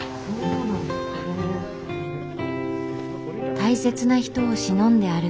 大切な人をしのんで歩く。